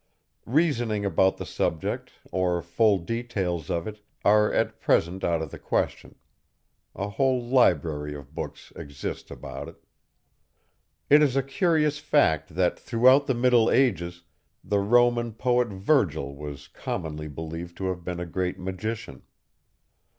Reasoning about the subject, or full details of it, are at present out of the question. A whole library of books exists about it. It is a curious fact that throughout the middle ages, the Roman poet Virgil was commonly believed to have been a great magician.